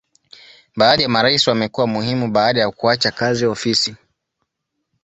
Baadhi ya marais wamekuwa muhimu baada ya kuacha kazi ofisi.